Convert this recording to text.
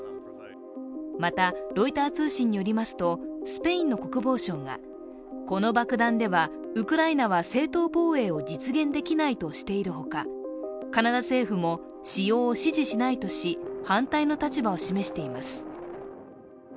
また、ロイター通信によりますと、スペインの国防相がこの爆弾ではウクライナは正当防衛を実現できないとしているほか、カナダ政府も、使用を支持しないとし反対の立場を示しています。